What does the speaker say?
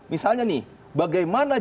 misalnya nih bagaimana